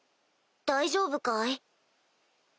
大丈夫かい？